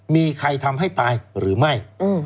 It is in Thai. มีใครทำให้ตายหรือไม่